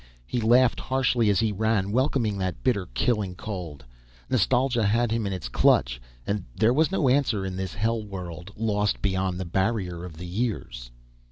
He laughed harshly as he ran, welcoming that bitter, killing cold. Nostalgia had him in its clutch, and there was no answer in his hell world, lost beyond the barrier of the years....